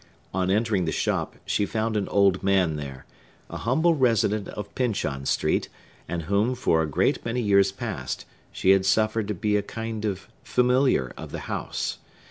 On entering the shop, she found an old man there, a humble resident of Pyncheon Street, and whom, for a great many years past, she had suffered to be a kind of familiar of the house.